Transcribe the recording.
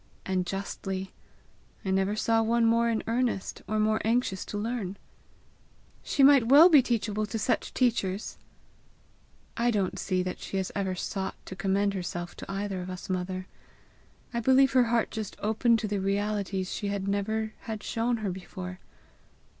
"And justly. I never saw one more in earnest, or more anxious to learn." "She might well be teachable to such teachers!" "I don't see that she has ever sought to commend herself to either of us, mother. I believe her heart just opened to the realities she had never had shown her before.